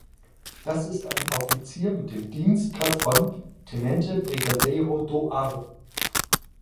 Das ist ein Offizier mit dem Dienstgrad von "Tenente-Brigadeiro do Ar".